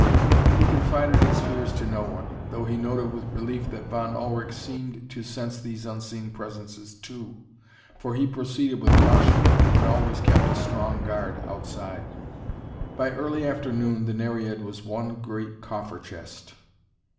He confided his fears to no one, though he noted with relief that Von Ullrich seemed to sense these unseen presences too, for he proceeded with caution and always kept a strong guard outside. By early afternoon, the Nereid was one great coffer chest.